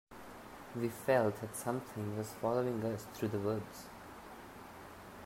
We felt that something was following us through the woods.